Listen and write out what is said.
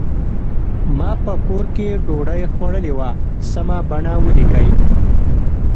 ما په کور کې ډوډۍ خوړلې وه سمه بڼه ولیکئ.